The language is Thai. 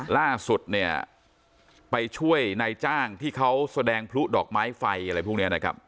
ล่าสุดเนี่ยไปช่วยนายจ้างที่เขาแสดงพลุดอกไม้ไฟอะไรพวกนี้นะครับ